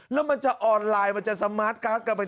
แล้วมันจะออนไลน์มันจะสมาร์ทการ์ดกันไป